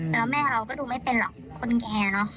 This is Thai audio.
แล้วแม่เราก็ดูไม่เป็นหรอกคนแก่เนอะ